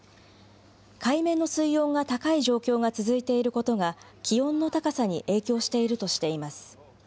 海面の水温が高い状況が続いていることが、気温の高さに影響しているとしています。